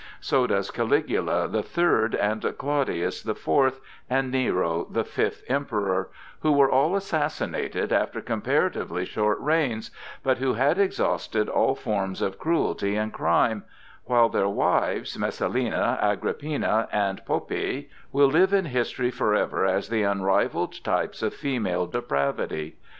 So does Caligula, the third, and Claudius, the fourth, and Nero, the fifth Emperor,—who were all assassinated after comparatively short reigns, but who had exhausted all forms of cruelty and crime; while their wives, Messalina, Agrippina, and Poppæa will live in history forever as the unrivalled types of female depravity.